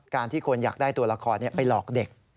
ที่คนอยากได้ตัวละครไปหลอกเด็ก